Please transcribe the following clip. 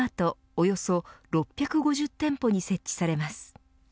およそ６５０店舗に設置されます。